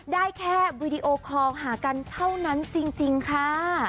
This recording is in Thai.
ได้แค่วีดีโอคอลหากันเท่านั้นจริงค่ะ